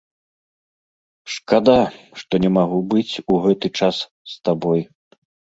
Шкада, што не магу быць у гэты час з табой.